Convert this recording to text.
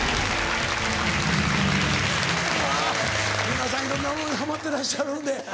皆さんいろんなものにハマってらっしゃるんで。